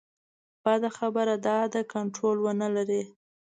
بده خبره دا ده کنټرول ونه لري.